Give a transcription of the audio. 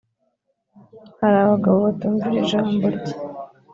hari abagabo batumvira ijambo rye